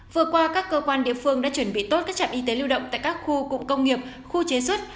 vừa qua các cơ quan địa phương đã chuẩn bị tốt các trạm y tế lưu động tại các khu cụm công nghiệp khu chế xuất